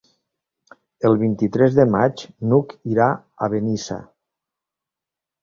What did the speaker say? El vint-i-tres de maig n'Hug irà a Benissa.